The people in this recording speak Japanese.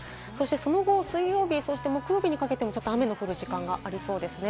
その後、水曜日、木曜日にかけても雨の降る時間がありそうです。